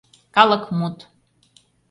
Калыкмут